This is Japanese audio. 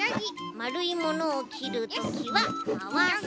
まるいものをきるときはまわす。